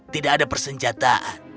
tidak ada persenjataan